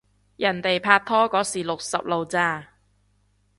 人哋拍嗰時六十路咋